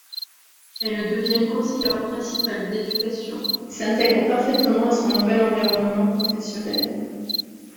Elle devient conseillère principale d'éducation et s'intègre parfaitement à son nouvel environnement professionnel.